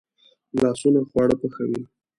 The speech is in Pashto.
لاسونه خواړه پخوي